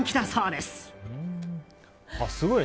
すごいね。